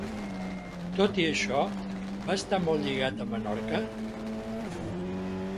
Tot i això, va estar molt lligat a Menorca?